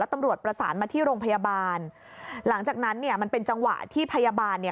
ตำรวจประสานมาที่โรงพยาบาลหลังจากนั้นเนี่ยมันเป็นจังหวะที่พยาบาลเนี่ย